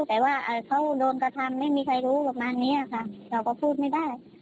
แต่ว่าเขาโดนกระทำไม่มีใครรู้ประมาณนี้ค่ะเราก็พูดไม่ได้